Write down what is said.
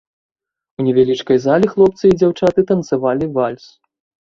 У невялічкай зале хлопцы і дзяўчаты танцавалі вальс.